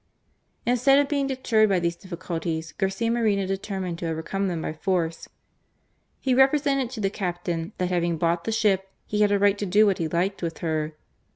Instead of being deterred by these difficulties, Garcia Moreno determined to overcome them by force. He represented to the captain that having bought the ship he had a right to do what he liked, with her.